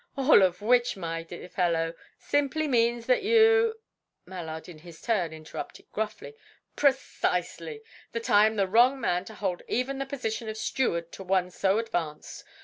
"All which, my dear fellow, simply means that you " Mallard, in his turn, interrupted gruffly. "Precisely: that I am the wrong man to hold even the position of steward to one so advanced.